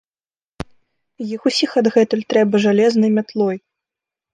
Іх усіх адгэтуль трэба жалезнай мятлой!